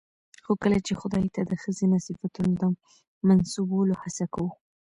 خو کله چې خداى ته د ښځينه صفتونو د منسوبولو هڅه کوو